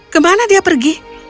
kemana dia pergi